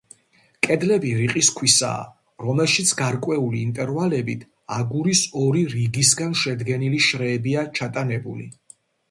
კედლები რიყის ქვისაა, რომელშიც გარკვეული ინტერვალებით აგურის ორი რიგისგან შედგენილი შრეებია ჩატანებული.